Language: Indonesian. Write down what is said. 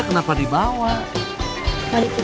kenapa cukup banyak produksi baby